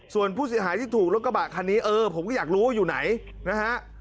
ส่วนผู้เสียหายที่ถูกรถกระบะคันนี้เออผมก็อยากรู้ว่าอยู่ไหนนะฮะ